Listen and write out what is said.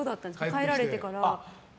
帰られてから。